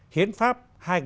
hiến pháp hai nghìn một mươi ba